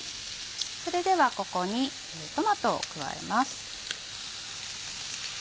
それではここにトマトを加えます。